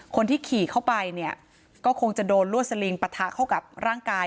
คนที่ขี่เข้าไปเนี่ยก็คงจะโดนลวดสลิงปะทะเข้ากับร่างกาย